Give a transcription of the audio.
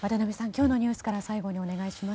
今日のニュースから最後にお願いします。